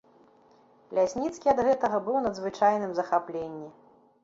Лясніцкі ад гэтага быў у надзвычайным захапленні.